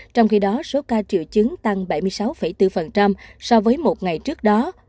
trong khi đó số ca triệu chứng tăng bảy mươi sáu bốn so với một ngày trước đó